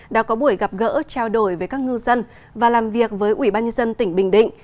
đã có buổi gặp gỡ trao đổi với các ngư dân và làm việc với ủy ban nhân dân tỉnh bình định